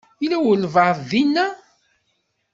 Yella walebɛaḍ dinna?